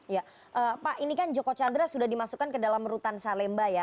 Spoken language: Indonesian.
ya pak ini kan joko chandra sudah dimasukkan ke dalam rutan salemba ya